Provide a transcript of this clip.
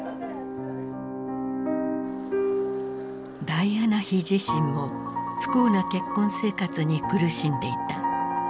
ダイアナ妃自身も不幸な結婚生活に苦しんでいた。